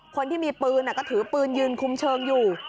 คนที่มีปืนก็ถือปืนยืนคุมเชิงอยู่